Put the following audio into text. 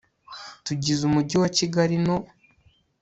tugize umujyi wa kigali no